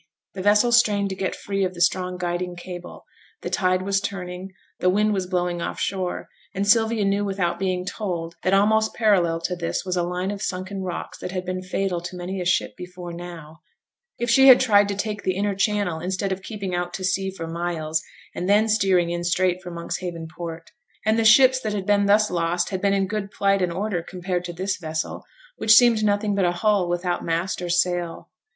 The vessel strained to get free of the strong guiding cable; the tide was turning, the wind was blowing off shore, and Sylvia knew without being told, that almost parallel to this was a line of sunken rocks that had been fatal to many a ship before now, if she had tried to take the inner channel instead of keeping out to sea for miles, and then steering in straight for Monkshaven port. And the ships that had been thus lost had been in good plight and order compared to this vessel, which seemed nothing but a hull without mast or sail.